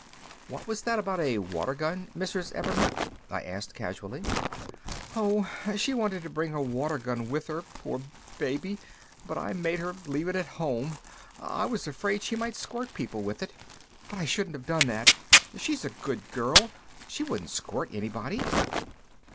"What was that about a water gun, Mrs. Ebbermann?" I asked casually. "Oh, she wanted to bring her water gun with her, poor baby. But I made her leave it at home I was afraid she might squirt people with it. But I shouldn't have done that! She's a good girl! She wouldn't squirt anybody!"